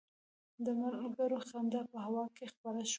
د ملګرو خندا په هوا کې خپره شوه.